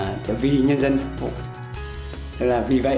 vì vậy bây giờ về với nhân dân thì phải tham gia công tác với địa phương